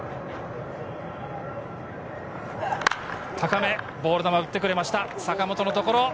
高め、ボール球を打ってくれました、坂本のところ。